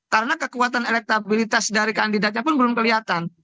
karena kekuatan elektabilitas dari kandidatnya pun belum kelihatan